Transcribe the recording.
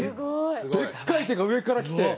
でっかい手が上から来て。